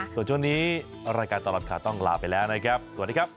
ส่วนช่วงนี้รายการตลอดข่าวต้องลาไปแล้วนะครับสวัสดีครับ